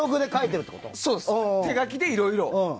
手書きでいろいろ。